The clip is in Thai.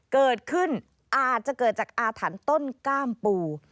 เกิดขึ้นอาจจะเกิดจากอาถรรพ์ต้นกล้ามปู